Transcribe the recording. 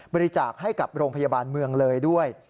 บริจาคให้กับโรงพยาบาลเมืองเลยด้วย